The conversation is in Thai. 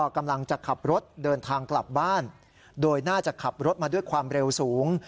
กำลังจะขับรถเดินทางกลับบ้านโดยน่าจะขับรถมาด้วยความเร็วสูง